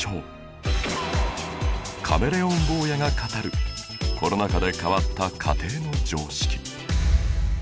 カメレオン坊やが語るコロナ禍で変わった家庭の常識